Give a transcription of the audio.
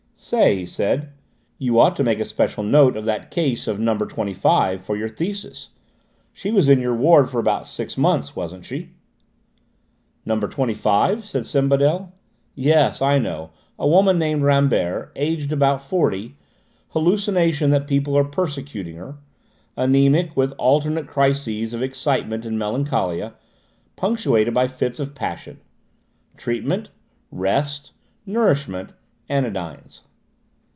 "Say," he said, "you ought to make a special note of that case of No. 25, for your thesis. She was in your ward for about six months, wasn't she?" "No. 25?" said Sembadel. "Yes, I know: a woman named Rambert; age about forty; hallucination that people are persecuting her; anæmic, with alternate crises of excitement and melancholia, punctuated by fits of passion; treatment: rest, nourishment, anodynes."